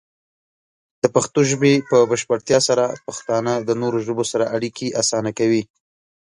د پښتو ژبې په بشپړتیا سره، پښتانه د نورو ژبو سره اړیکې اسانه کوي.